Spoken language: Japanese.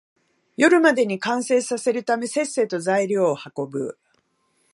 夜までに完成させるため、せっせと材料を運ぶ